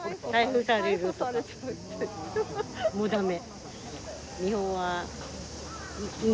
もう駄目。